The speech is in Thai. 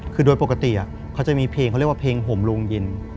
คือโดยปกติเขาจะมีเพลงเขาเรียกว่าเพลงห่มโรงเย็น